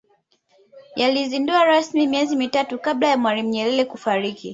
yalizinduliwa rasmi miezi mitatu kabla ya mwalimu nyerere kufariki